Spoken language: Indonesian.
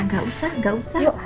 gak usah gak usah